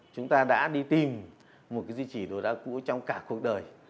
chúng ta đã đi tìm một di tích sơ kỳ đá cũ trong cả cuộc đời